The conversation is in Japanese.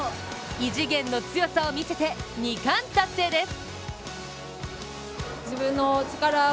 異次元の強さを見せて２冠達成です。